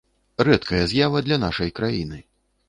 Рэдкая з'ява для нашай краіны.